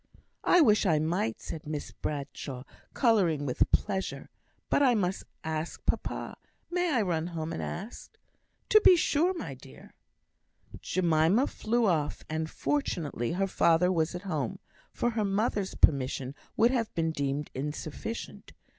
"I wish I might," said Miss Bradshaw, colouring with pleasure. "But I must ask papa. May I run home and ask?" "To be sure, my dear!" Jemima flew off; and fortunately her father was at home; for her mother's permission would have been deemed insufficient.